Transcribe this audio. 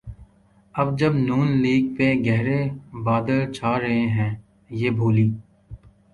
اب جب نون لیگ پہ گہرے بادل چھا رہے ہیں‘ یہ بھولی